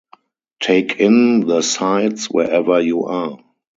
Take in the sights wherever you are!